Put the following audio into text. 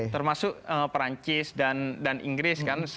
termasuk perancis dan inggris kan